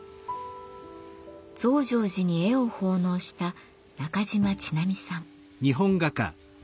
増上寺に絵を奉納した中島千波さん。